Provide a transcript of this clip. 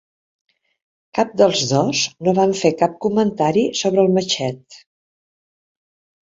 Cap dels dos no va fer cap comentari sobre el matxet.